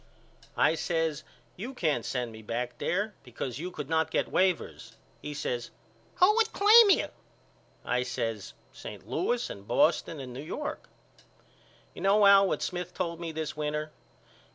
I says You can't send me back there because you could not get waivers. He says Who would claim you? I says St. Louis and Boston and New York. You know Al what Smith told me this winter.